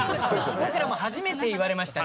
僕らも初めて言われましたね。